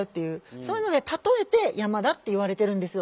そういうので例えて山だっていわれてるんですよ。